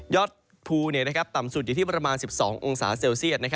อดภูต่ำสุดอยู่ที่ประมาณ๑๒องศาเซลเซียต